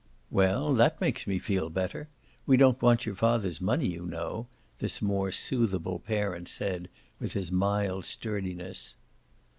"Well, that makes me feel better. We don't want your father's money, you know," this more soothable parent said with his mild sturdiness.